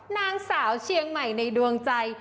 นางสาวเชียงใหม่ในดวงใจ